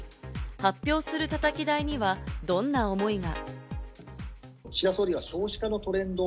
発表する、たたき台にはどんな思いが。